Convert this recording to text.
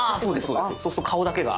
そうすると顔だけが。